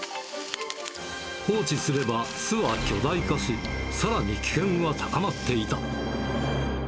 放置すれば巣は巨大化し、さらに危険は高まっていた。